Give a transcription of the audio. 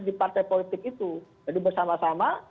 di partai politik itu jadi bersama sama